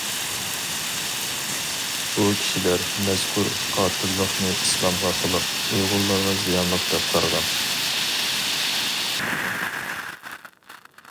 بۇ كىشىلەر مەزكۇر قاتىللىقنى ئىسلامغا خىلاپ، ئۇيغۇرلارغا زىيانلىق دەپ قارىغان.